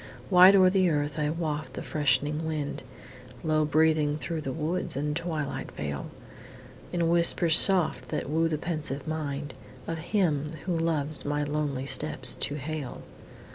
Wide o'er the world I waft the fresh'ning wind, Low breathing through the woods and twilight vale, In whispers soft, that woo the pensive mind Of him, who loves my lonely steps to hail.